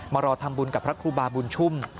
รอทำบุญกับพระครูบาบุญชุ่ม